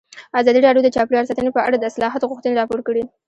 ازادي راډیو د چاپیریال ساتنه په اړه د اصلاحاتو غوښتنې راپور کړې.